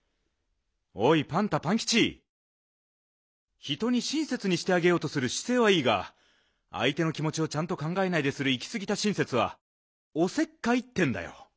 おいパンタパンキチ人にしんせつにしてあげようとするしせいはいいがあいての気もちをちゃんとかんがえないでするいきすぎたしんせつはおせっかいってんだよ。